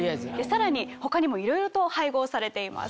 さらに他にもいろいろと配合されています。